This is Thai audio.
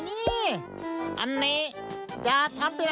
สีสันข่าวชาวไทยรัฐมาแล้วครับ